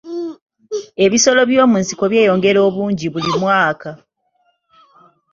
Ebisolo by'omu nsiko byeyongera obungi buli mwaka.